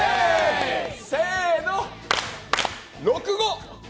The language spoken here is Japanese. せーの、６×５。